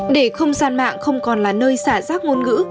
để không gian mạng không còn là nơi xả rác ngôn ngữ